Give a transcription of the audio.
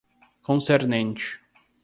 concernente